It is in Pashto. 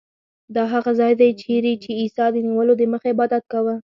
دا هغه ځای دی چیرې چې عیسی د نیولو دمخه عبادت کاوه.